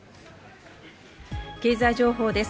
経済情報です。